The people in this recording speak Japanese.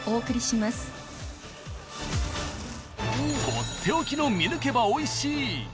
［取って置きの見抜けばおいしい。